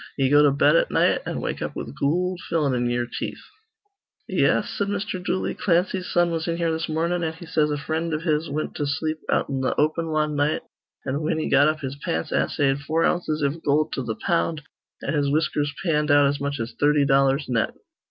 Ye go to bed at night, an' wake up with goold fillin' in ye'er teeth." "Yes," said Mr. Dooley, "Clancy's son was in here this mornin', an' he says a frind iv his wint to sleep out in th' open wan night, an' whin he got up his pants assayed four ounces iv goold to th' pound, an' his whiskers panned out as much as thirty dollars net."